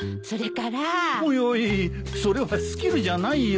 おいおいそれはスキルじゃないよ。